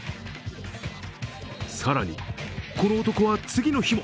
更に、この男は次の日も